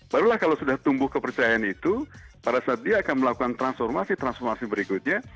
barulah kalau sudah tumbuh kepercayaan itu pada saat dia akan melakukan transformasi transformasi berikutnya